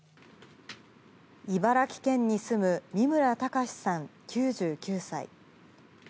茨城県に住む三村節さん９９歳。